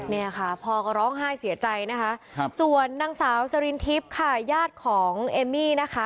เนี่ยค่ะพ่อก็ร้องไห้เสียใจนะคะส่วนนางสาวสรินทิพย์ค่ะญาติของเอมมี่นะคะ